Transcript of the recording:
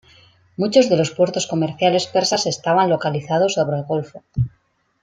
Muchos de los puertos comerciales persas estaban localizados sobre el Golfo.